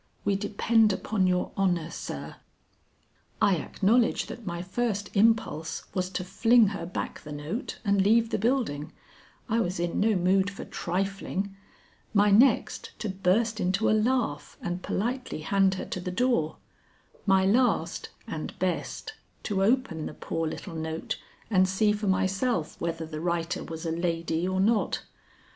We depend upon your honor, sir." I acknowledge that my first impulse was to fling her back the note and leave the building; I was in no mood for trifling, my next to burst into a laugh and politely hand her to the door, my last and best, to open the poor little note and see for myself whether the writer was a lady or not.